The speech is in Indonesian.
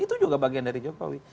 itu juga bagian dari jokowi